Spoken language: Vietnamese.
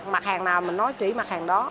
mặt hàng nào mình nói chỉ mặt hàng đó